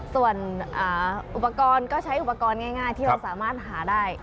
ส่วนอุปกรณ์ก็ใช้อุปกรณ์ง่ายที่เราสามารถหาได้